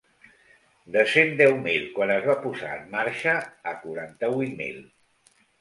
De cent deu mil quan es va posar en marxa a quaranta-vuit mil.